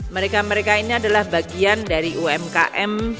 mereka mereka ini adalah bagian dari umkm